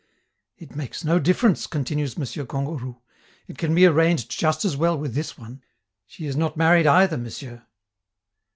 "It makes no difference," continues M. Kangourou, "it can be arranged just as well with this one; she is not married either, Monsieur!"